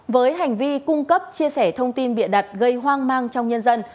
với hành vi cung cấp chia sẻ thông tin bịa đặt gây hoang mang trong nhân dân